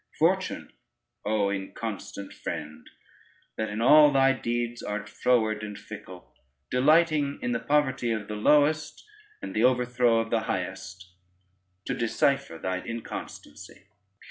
Fortune, O inconstant friend, that in all thy deeds art froward and fickle, delighting, in the poverty of the lowest and the overthrow of the highest, to decipher thy inconstancy.